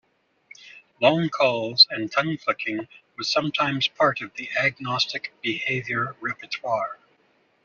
Long calls and tongue flicking was sometimes part of the agonistic behavior repertoire.